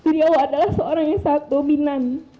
beliau adalah seorang yang sangat dominan